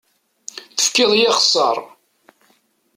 Tefkiḍ-iyi axessaṛ.